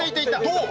どう？